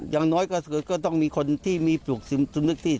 อย่างน้อยก็ต้องมีคนที่มีปลูกสินทุนที่